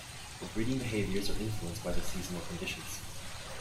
The breeding behaviours are influenced by the seasonal conditions.